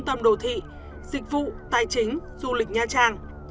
tâm đồ thị dịch vụ tài chính du lịch nha trang